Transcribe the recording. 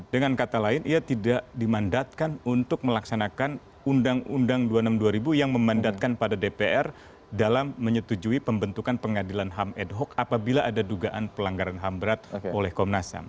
dengan kata lain ia tidak dimandatkan untuk melaksanakan undang undang dua puluh enam dua ribu yang memandatkan pada dpr dalam menyetujui pembentukan pengadilan ham ad hoc apabila ada dugaan pelanggaran ham berat oleh komnas ham